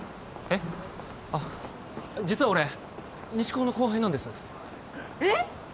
えっあっ実は俺西高の後輩なんですえっ？